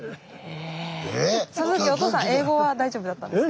その時おとうさん英語は大丈夫だったんですか？